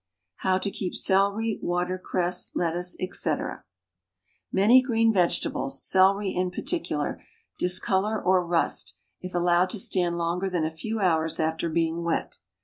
=How to Keep Celery, Watercress, Lettuce, Etc.= Many green vegetables celery in particular discolor or rust, if allowed to stand longer than a few hours after being wet.